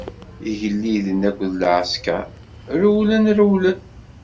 Igelliden akked lɛesker rewlen, rewlen.